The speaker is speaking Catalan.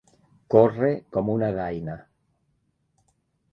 Córrer com una daina.